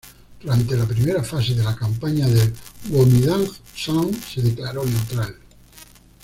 Durante la primera fase de la campaña del Guomindang, Sun se declaró neutral.